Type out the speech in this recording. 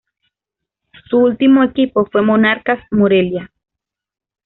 Su último equipo fue Monarcas Morelia.